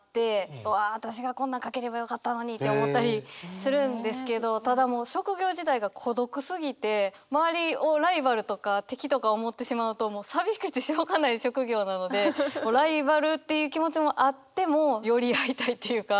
うわ私がこんなん書ければよかったのにって思ったりするんですけどただもう職業自体が孤独すぎて周りをライバルとか敵とか思ってしまうと寂しくてしょうがない職業なのでもうライバルっていう気持ちもあっても寄り合いたいっていうか。